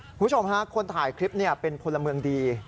คุณผู้ชมฮะคนถ่ายคลิปเป็นพลเมืองดี